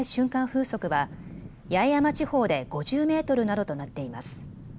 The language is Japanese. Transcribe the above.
風速は八重山地方で５０メートルなどとなっています。